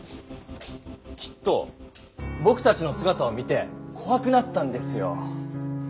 きっとぼくたちのすがたを見てこわくなったんですよ。